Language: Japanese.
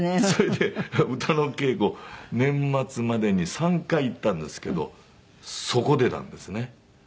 それで歌の稽古年末までに３回行ったんですけどそこでなんですね。